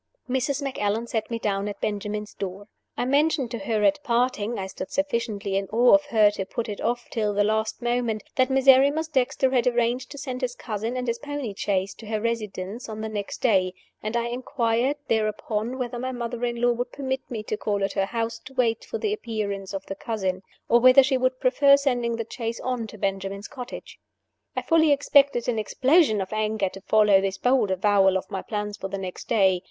Mrs. Macallan set me down at Benjamin's door. I mentioned to her at parting I stood sufficiently in awe of her to put it off till the last moment that Miserrimus Dexter had arranged to send his cousin and his pony chaise to her residence on the next day; and I inquired thereupon whether my mother in law would permit me to call at her house to wait for the appearance of the cousin, or whether she would prefer sending the chaise on to Benjamin's cottage. I fully expected an explosion of anger to follow this bold avowal of my plans for the next day.